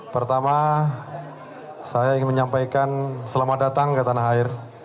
pertama saya ingin menyampaikan selamat datang ke tanah air